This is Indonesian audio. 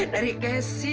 dari ke si